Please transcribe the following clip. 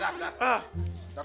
dar dar dar dar